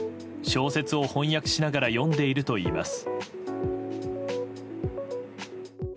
小説を翻訳しながら読んでいるといいます。